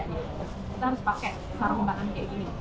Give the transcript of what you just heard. kita harus pakai sarung tangan kayak gini